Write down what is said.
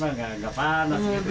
mayan apet ya